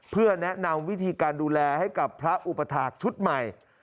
เพื่อแนะนำวิธีการดูแลให้กับพระอุปถาคชุดใหม่